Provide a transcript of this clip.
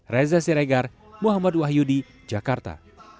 reza siregar muhammad wahyudi jakarta